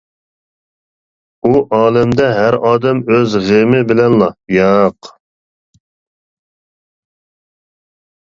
ئۇ ئالەمدە ھەر ئادەم ئۆز غېمى بىلەنلا، ياق!